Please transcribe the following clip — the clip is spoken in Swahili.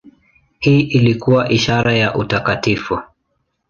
Hii ilikuwa ishara ya utakatifu.